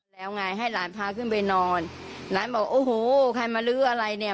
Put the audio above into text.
แล้วไงให้หลานพาขึ้นไปนอนหลานบอกโอ้โหใครมาลื้ออะไรเนี่ย